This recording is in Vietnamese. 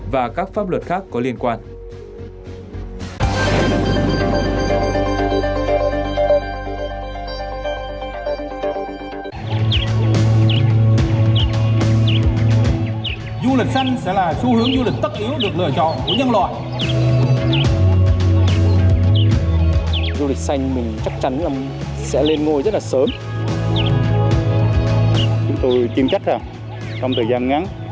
và các pháp luật khác có liên quan